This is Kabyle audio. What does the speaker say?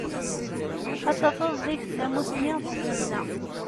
Dd tafeḍ deg-s tamusni d tzemna.